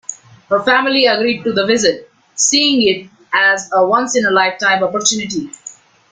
Her family agreed to the visit, seeing it as a once-in-a-lifetime opportunity.